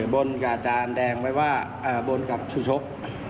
บนกับอาจารย์แดงไว้ว่าบนกับชูชก